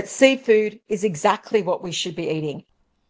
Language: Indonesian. tapi makanan air adalah benar benar apa yang kita inginkan